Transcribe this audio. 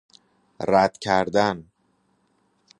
ردکردن